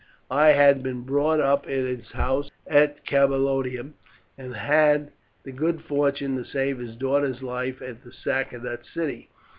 "I had been brought up at his house at Camalodunum, and had the good fortune to save his daughter's life at the sack of that city.